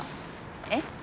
えっ？